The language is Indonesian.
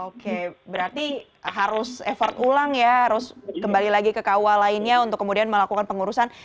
oke berarti harus effort ulang ya harus kembali lagi ke kua lainnya untuk kemudian melakukan pengurusan